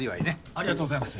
ありがとうございます。